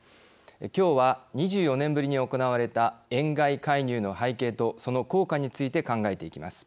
今日は２４年ぶりに行われた円買い介入の背景とその効果について考えていきます。